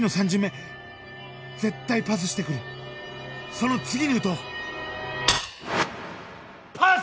その次に撃とうパス！